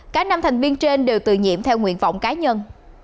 cả năm thành viên trên đều tự nhiệm theo nguyện vọng cá nhân